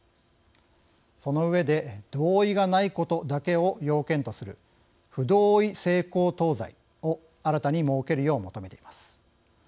その上で同意がないことだけを要件とする不同意性交等罪を新たに設けるよう求めています。